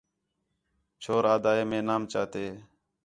چھور آہدا ہِے مئے نام چا تے